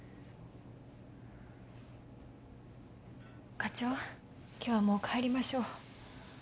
課長今日はもう帰りましょう。